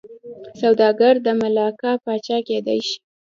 سوداګر د ملاکا پاچا کېدای شي.